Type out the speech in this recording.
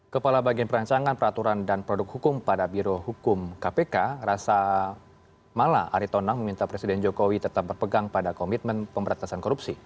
kepala bagian perancangan peraturan dan produk hukum pada birohukum kpk rasa mala aritonang meminta presiden jokowi tetap berpegang pada komitmen pemberantasan korupsi